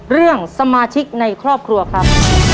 เรื่องสมาชิกในครอบครัวครับ